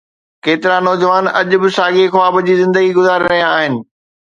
ڪيترا نوجوان اڄ به ساڳي خواب جي زندگي گذاري رهيا آهن؟